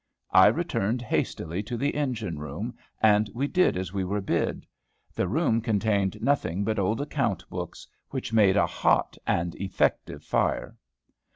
I returned hastily to the engine room, and we did as we were bid. The room contained nothing but old account books, which made a hot and effective fire.